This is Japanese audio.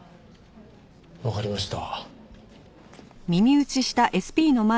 わかりました。